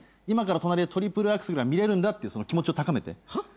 今から隣でトリプルアクセルが見れるんだっていう気持ちを高めて。